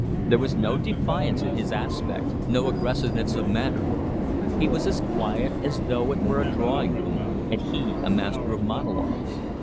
There was no defiance in his aspect, no aggressiveness of manner; he was as quiet as though it were a drawing room and he a master of monologues.